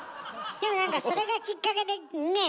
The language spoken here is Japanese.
でも何かそれがきっかけでねえ？